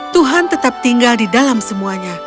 tuhan tetap tinggal di dalam semuanya